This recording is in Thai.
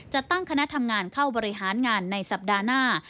จะตั้งคณะทำงานเข้าบริหารงานในสัปดาห์หน้า